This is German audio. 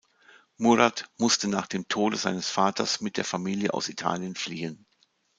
Murat musste nach dem Tode seines Vaters mit der Familie aus Italien fliehen.